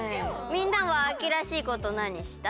みんなも秋らしいことなにしたい？